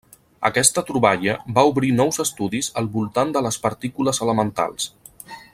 Aquesta troballa va obrir nous estudis al voltant de les partícules elementals.